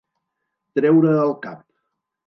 Treure el cap.